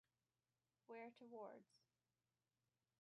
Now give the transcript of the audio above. Where towards?